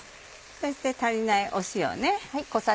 そして足りない塩ね。